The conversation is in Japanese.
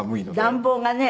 暖房がね